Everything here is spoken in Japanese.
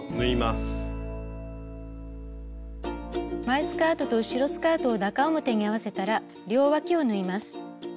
前スカートと後ろスカートを中表に合わせたら両わきを縫います。